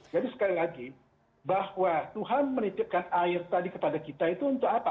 jadi sekali lagi bahwa tuhan menitipkan air tadi kepada kita itu untuk apa